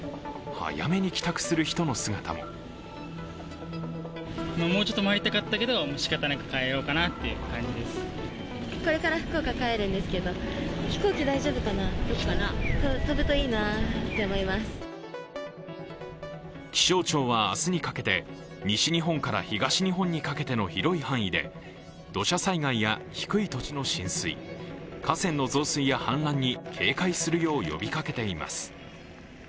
早めに帰宅する人の姿も気象庁は、明日にかけて西日本から東日本にかけての広い範囲で土砂災害や低い土地の浸水、河川の増水や氾濫に警戒するよう呼びかけています。